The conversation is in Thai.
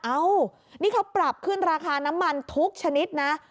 เอ้านี่เขาปรับขึ้นราคาน้ำมันทุกชนิดนะ